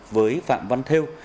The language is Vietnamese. với phạm văn thêu